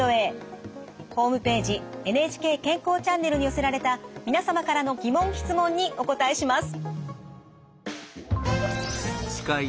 ホームページ「ＮＨＫ健康チャンネル」に寄せられた皆様からの疑問・質問にお答えします。